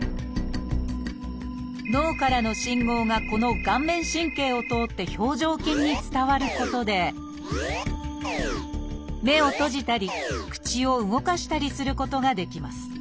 脳からの信号がこの顔面神経を通って表情筋に伝わることで目を閉じたり口を動かしたりすることができます